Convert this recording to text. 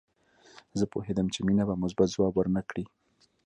زه پوهېدم چې مينه به مثبت ځواب ورنه کړي